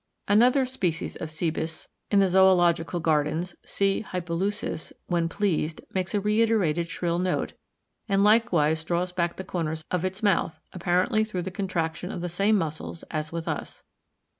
Another species of Cebus in the Zoological Gardens (C. hypoleucus) when pleased, makes a reiterated shrill note, and likewise draws back the corners of its mouth, apparently through the contraction of the same muscles as with us.